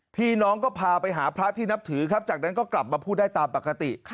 พี่น้องก็พาไปหาพระที่นับถือครับจากนั้นก็กลับมาพูดได้ตามปกติ